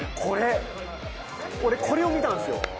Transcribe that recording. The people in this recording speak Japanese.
これ俺これを見たんすよ